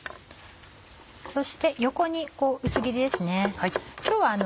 そして横にこう薄切りですね。